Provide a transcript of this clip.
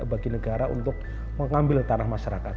bagi negara untuk mengambil tanah masyarakat